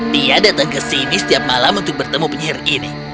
dia datang ke sini setiap malam untuk bertemu penyihir ini